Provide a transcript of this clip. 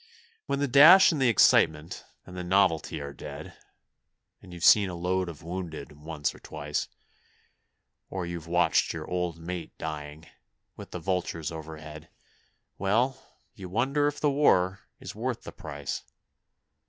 When the dash and the excitement and the novelty are dead, And you've seen a load of wounded once or twice, Or you've watched your old mate dying with the vultures overhead, Well, you wonder if the war is worth the price.